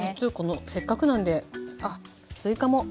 せっかくなんであっすいかも。